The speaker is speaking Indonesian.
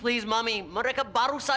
kemakaran ya allah